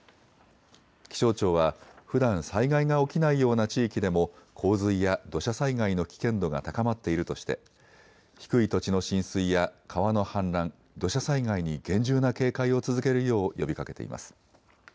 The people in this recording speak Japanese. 気象庁はふだん災害が起きないような地域でも洪水や土砂災害の危険度が高まっているとして低い土地の浸水や川の氾濫、土砂災害に厳重な警戒を続けるよう呼びかけています。